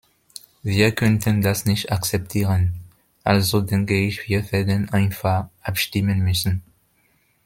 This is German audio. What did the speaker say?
Wir könnten das nicht akzeptieren, also denke ich, wir werden einfach abstimmen müssen.